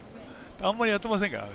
あんまりやってませんから。